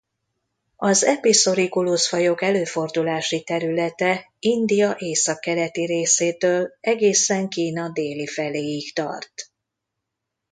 Az Episoriculus-fajok előfordulási területe India északkeleti részétől egészen Kína déli feléig tart.